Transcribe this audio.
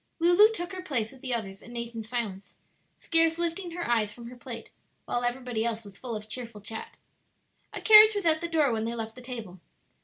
Lulu took her place with the others and ate in silence, scarce lifting her eyes from her plate, while everybody else was full of cheerful chat. A carriage was at the door when they left the table.